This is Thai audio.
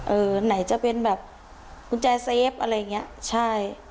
ไหนจะเป็นแบบกุญแจเซฟอะไรอย่างเงี้ยใช่